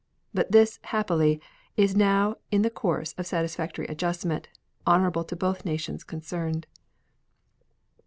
But this, happily, now is in the course of satisfactory adjustment, honorable to both nations concerned.